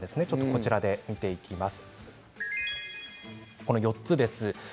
こちらで見ていきます。